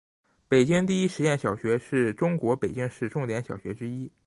北京第一实验小学是中国北京市重点小学之一。